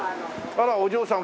あらお嬢さん